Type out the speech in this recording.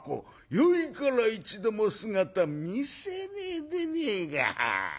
ゆうべから一度も姿見せねえでねえか。